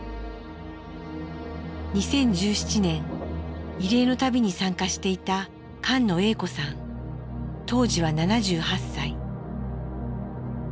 ２０１７年慰霊の旅に参加していた当時は７８歳。